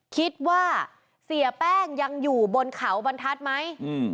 คิดว่าเสียแป้งยังอยู่บนเขาบรรทัศน์ไหม